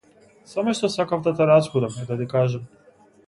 Само што сакав да те разбудам и да ти кажам.